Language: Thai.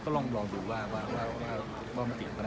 ก็ต้องรอดูว่ามันติดกับพนักงานก็จะเป็นปัญหา